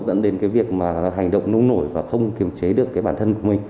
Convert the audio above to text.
dẫn đến cái việc mà hành động nông nổi và không kiểm chế được cái bản thân của mình